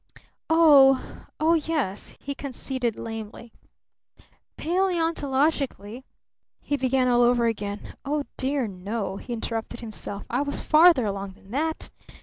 "Oh oh, yes," he conceded lamely. "Paleontologically," he began all over again. "Oh, dear, no!" he interrupted himself. "I was farther along than that!